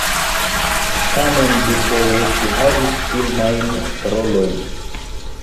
Tamen dufoje ŝi havis filmajn rolojn.